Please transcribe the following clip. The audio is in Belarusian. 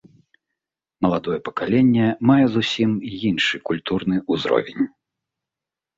Маладое пакаленне мае зусім іншы культурны ўзровень.